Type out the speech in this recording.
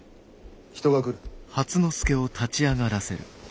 人が来る。